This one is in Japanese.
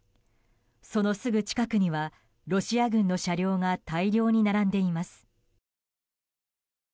そのすぐ近くにはロシア軍の車両が大量に並んでいます。